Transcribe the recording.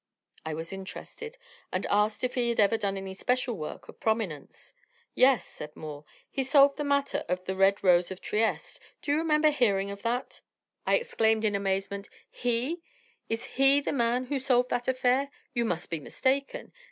I was interested, and asked if he had ever done any special work of prominence. "Yes," said Moore. "He solved the matter of the 'Red Rose of Trieste.' Do you remember hearing of that?" I exclaimed in amazement: "He! Is he the man who solved that affair? You must be mistaken.